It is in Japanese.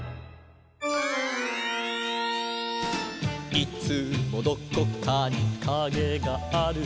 「いつもどこかにカゲがある」